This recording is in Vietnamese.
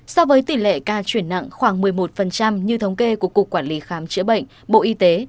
so với tỷ lệ ca chuyển nặng khoảng một mươi một như thống kê của cục quản lý khám chữa bệnh bộ y tế